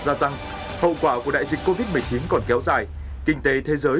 gia tăng hậu quả của đại dịch covid một mươi chín còn kéo dài kinh tế thế giới